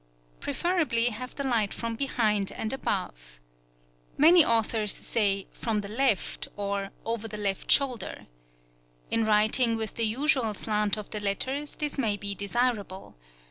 Preferably have the light from behind and above. Many authors say "from the left" or "over the left shoulder." In writing with the usual slant of the letters this may be desirable.